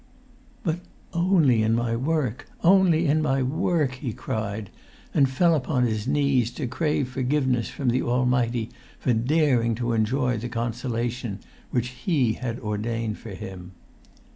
"But only in my work! Only in my work!" he cried, and fell upon his knees to crave forgiveness from the Almighty for daring to enjoy the consolation which He had ordained for him.